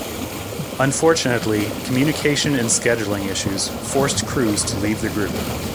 Unfortunately, communication and scheduling issues forced Cruz to leave the group.